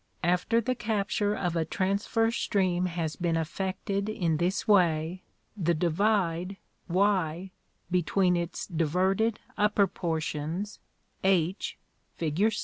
After the capture of a transverse stream has been effected in this way, the divide, Y, between its diverted upper portions, H, fig.